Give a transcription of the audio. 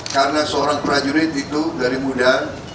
karena seorang prajurit itu dari muda